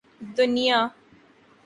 دنیا